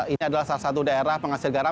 ini adalah salah satu daerah penghasil garam